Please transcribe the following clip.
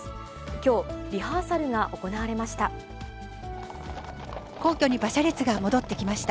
きょう、リハーサルが行われました。